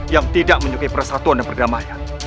yang tidak menyukai persatuan dan perdamaian